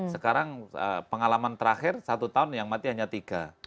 sekarang pengalaman terakhir satu tahun yang mati hanya tiga